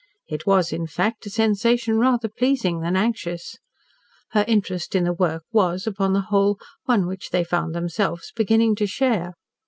It was, in fact, a sensation rather pleasing than anxious. Her interest in the work was, upon the whole, one which they found themselves beginning to share.